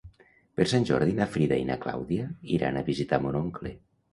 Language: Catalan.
Per Sant Jordi na Frida i na Clàudia iran a visitar mon oncle.